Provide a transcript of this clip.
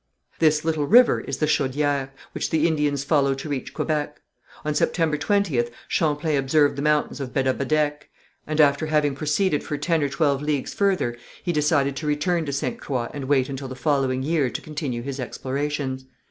This little river is the Chaudière, which the Indians follow to reach Quebec. On September 20th Champlain observed the mountains of Bedabedec, and after having proceeded for ten or twelve leagues further he decided to return to Ste. Croix and wait until the following year to continue his explorations.